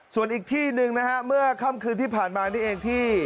ส่วนอีกที่หนึ่งนะฮะเมื่อค่ำคืนที่ผ่านมานี่เองที่